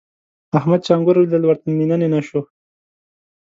احمد چې انګور وليدل؛ ورته نينه نينه شو.